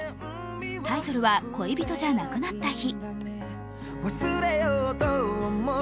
タイトルは「恋人じゃなくなった日」。